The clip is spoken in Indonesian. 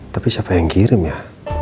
tapi siapa yang kirim ya